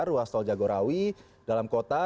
ruas tol jagorawi dalam kota